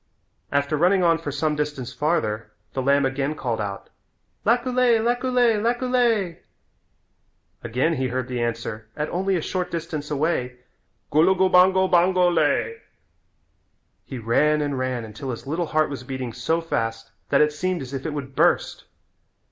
After running on for some distance farther the lamb again called out, "Laculay, laculay, laculay." Again he heard the answer at only a short distance away, "Gulugubango, bango lay." He ran and ran until his little heart was beating so fast that it seemed as if it would burst.